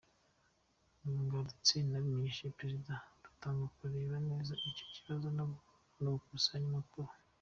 Ngarutse nabimenyesheje Perezida dutangira kureba neza icyo kibazo no gukusanya amakuru.”